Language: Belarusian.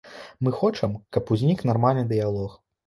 Мы хочам, каб узнік нармальны дыялог.